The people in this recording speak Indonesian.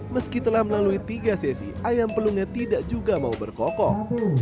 meski telah melalui tiga sesi ayam pelungnya tidak juga mau berkokok